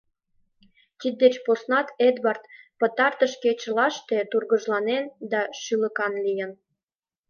Тиддеч поснат Эдвард пытартыш кечылаште тургыжланен да шӱлыкан лийын.